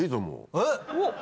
えっ！